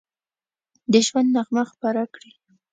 د ژوند نغمه خپره کړي